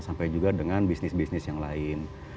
sampai juga dengan bisnis bisnis yang lain